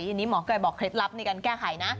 ทีนี้หมอไก่บอกเคล็ดลับในการแก้ไขนะ